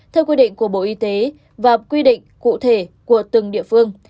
theo quy định của bộ y tế và quy định cụ thể của từng địa phương